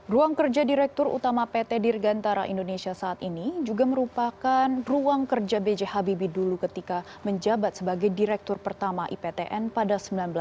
ruang kerja direktur utama pt dirgantara indonesia saat ini juga merupakan ruang kerja b j habibie dulu ketika menjabat sebagai direktur pertama iptn pada seribu sembilan ratus sembilan puluh